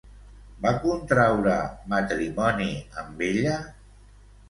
Va contraure matrimoni amb ella?